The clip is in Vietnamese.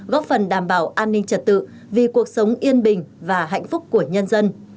góp phần đảm bảo an ninh trật tự vì cuộc sống yên bình và hạnh phúc của nhân dân